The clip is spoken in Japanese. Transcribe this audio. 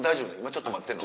ちょっと待ってんの？